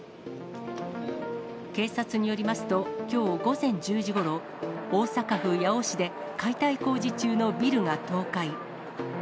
警察によりますと、きょう午前１０時ごろ、大阪府八尾市で解体工事中のビルが倒壊。